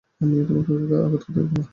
আমি তোমাকে ওকে আঘাত করতে দেবো না।